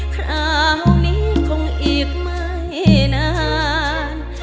คราวนี้คงอีกไม่นาน